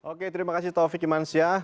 oke terima kasih taufik imansyah